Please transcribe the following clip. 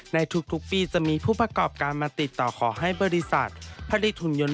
ในทุกปีจะมีผู้ประกอบการมาติดต่อขอให้บริษัทผลิตหุ่นยนต์